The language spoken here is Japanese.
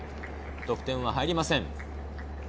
得点は入りません。